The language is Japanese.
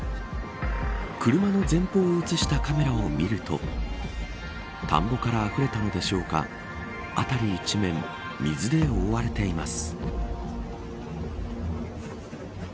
車の前方を映したカメラを見ると田んぼからあふれたのでしょうか辺り一面、水で覆われています。